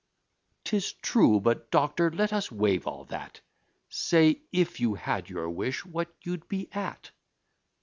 "'Tis true but, doctor, let us wave all that Say, if you had your wish, what you'd be at?"